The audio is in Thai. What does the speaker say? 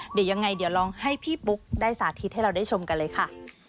เดี๋ยวยังไงเดี๋ยวลองให้พี่ปุ๊กได้สาธิตให้เราได้ชมกันเลยค่ะ